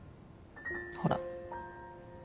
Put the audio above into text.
ほら。